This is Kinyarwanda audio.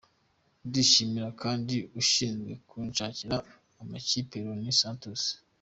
Ndashimira kandi ushinzwe kunshakira amakipe, Ronnie Santos.